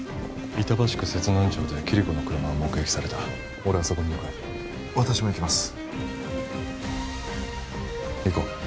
板橋区摂南町でキリコの車が目撃された俺はそこに向かう私も行きます